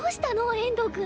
遠藤くん